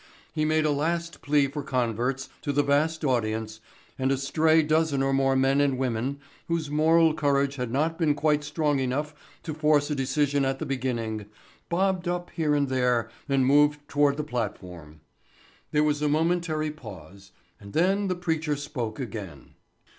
He made a last plea for converts to the vast audience and a stray dozen or more men and women, whose moral courage had not been quite strong enough to force a decision at the beginning, bobbed up here and there and moved toward the platform. There was a momentary pause and then the preacher spoke again.